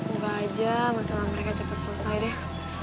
suka aja masalah mereka cepet selesai deh